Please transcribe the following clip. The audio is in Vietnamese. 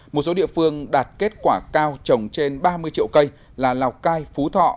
một số địa phương đạt kết quả cao trồng trên ba mươi triệu cây là lào cai phú thọ